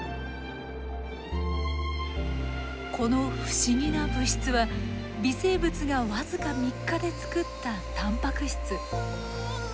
この不思議な物質は微生物が僅か３日で作ったタンパク質。